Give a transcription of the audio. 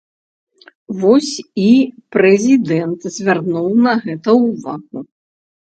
Вось і прэзідэнт звярнуў на гэта ўвагу.